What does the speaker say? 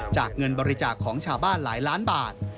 เงินบริจาคของชาวบ้านหลายล้านบาท